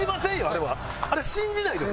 あれは信じないです。